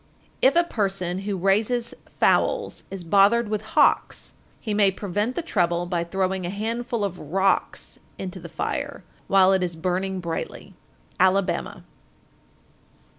_ 1475. If a person who raises fowls is bothered with hawks, he may prevent the trouble by throwing a handful of "rocks" into the fire while it is burning brightly. _Alabama.